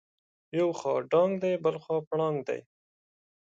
یو خوا ډاګ دی بلخوا پړانګ دی.